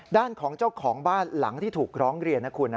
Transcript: ด้านของเจ้าของบ้านหลังที่ถูกร้องเรียนนะคุณ